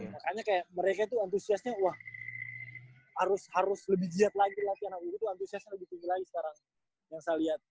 makanya kayak mereka tuh antusiasnya wah harus lebih giat lagi latihan ague gitu antusiasnya lebih tinggi lagi sekarang yang saya lihat